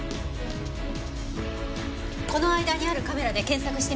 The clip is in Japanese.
この間にあるカメラで検索してみて。